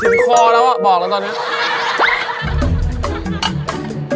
คอแล้วอ่ะบอกแล้วตอนนี้